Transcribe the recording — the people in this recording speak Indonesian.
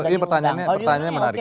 ini pertanyaannya menarik